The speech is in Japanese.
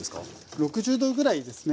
６０℃ぐらいですね。